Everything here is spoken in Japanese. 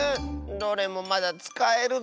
どれもまだつかえるぞ。